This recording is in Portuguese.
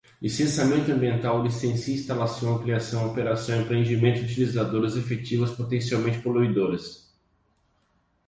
licenciamento ambiental, licencia, instalação, ampliação, operação, empreendimentos, utilizadoras, efetivas, potencialmente, poluidoras